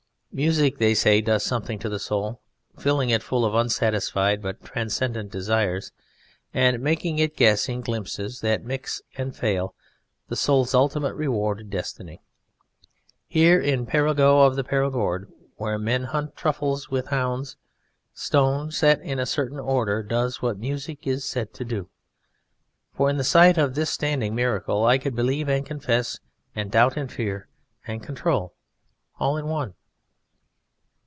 Music, they say, does something to the soul, filling it full of unsatisfied but transcendent desires, and making it guess, in glimpses that mix and fail, the soul's ultimate reward or destiny. Here, in Perigeux of the Perigord, where men hunt truffles with hounds, stone set in a certain order does what music is said to do. For in the sight of this standing miracle I could believe and confess, and doubt and fear, and control, all in one.